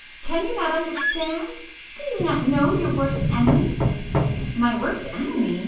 Can you not understand? Do you not know your worst enemy?" "My worst enemy?"